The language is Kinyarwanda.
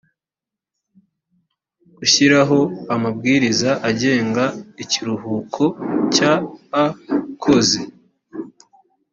gushyiraho amabwiriza agenga ikiruhuko cy aakozi